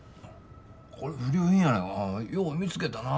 これ不良品やないかよう見つけたな。